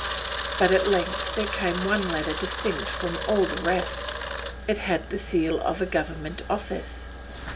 But at length there came one letter distinct from all the rest; it had the seal of a Government office.